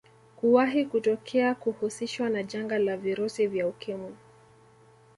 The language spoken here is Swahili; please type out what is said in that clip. Kuwahi kutokea kuhusishwa na janga la virusi vya Ukimwi